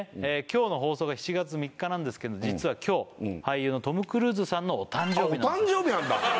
今日の放送が７月３日なんですけど実は今日俳優のトム・クルーズさんのお誕生日なんですあっ